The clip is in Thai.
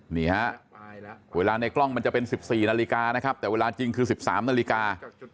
นี่ฮะเวลาในกล้องมันจะเป็น๑๔นาฬิกานะครับแต่เวลาจริงคือ๑๓นาฬิกา